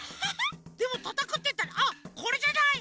でもたたくっていったらこれじゃない？